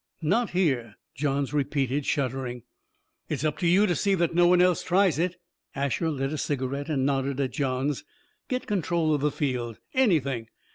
"Not here," Johns repeated, shuddering. "It's up to you to see no one else tries it." Asher lit a cigarette and nodded at Johns. "Get control of the field anything.